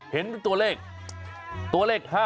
เห็นตัวเลขตัวเลข๕๓